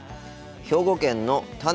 兵庫県のた